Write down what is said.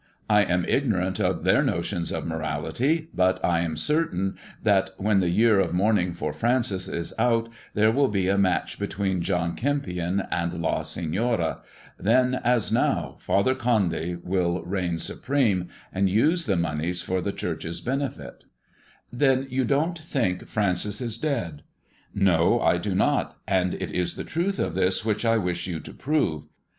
I am ignorant of their notions of morality, but I am certain that, when the year of mourning for Francis is out, there will be a match between John Kempion and La Senoro. Then, aa now, Father Condy will reign supreme, and use the moneys for the Church's benefit." 286 THE JESUIT AND THE MEXICAN COIN Then you don't think Francis is dead 1 "" No, I do not, and it is the truth of this which I wish you to prove.